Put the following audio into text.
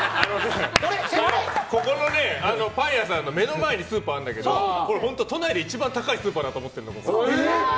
ここのね、パン屋さんの目の前にスーパーあるんだけど俺、都内で一番高いスーパーだと思ってるの。